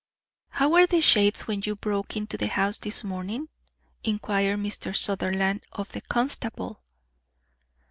"How were the shades when you broke into the house this morning?" inquired Mr. Sutherland of the constable.